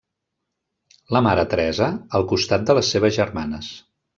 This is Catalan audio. La mare Teresa, al costat de les seves germanes.